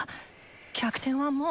逆転はもう。